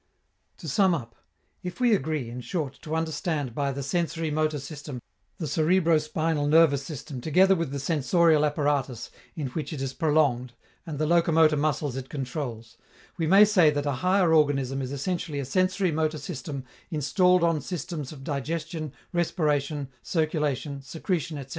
To sum up: if we agree, in short, to understand by "the sensori motor system" the cerebro spinal nervous system together with the sensorial apparatus in which it is prolonged and the locomotor muscles it controls, we may say that a higher organism is essentially a sensori motor system installed on systems of digestion, respiration, circulation, secretion, etc.